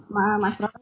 mbak mas ropi